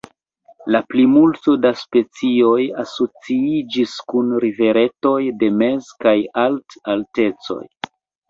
La plejmulto da specioj asociiĝis kun riveretoj de mez- kaj alt-altecoj.